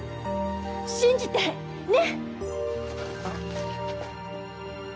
信じて。ね！